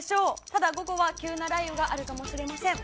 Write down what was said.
ただ、午後は急な雷雨があるかもしれません。